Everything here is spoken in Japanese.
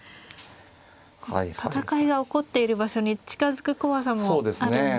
戦いが起こっている場所に近づく怖さもあるんですけれど。